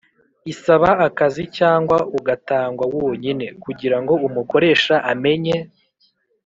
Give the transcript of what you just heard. isaba akazi cyangwa ugatangwa wonyine, kugira ngo umukoresha amenye